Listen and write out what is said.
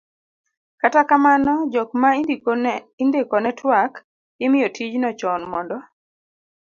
kata kamano, jok ma indikone twak imiyo tijno chon mondo